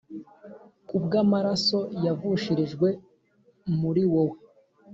ku bw’amaraso yavushirijwe muri wowe